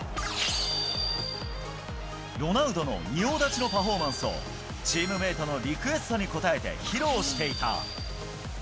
ロナウドの仁王立ちのパフォーマンスをチームメートのリクエストに応えて披露していた。